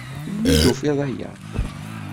Melmi i d-tufiḍ aya?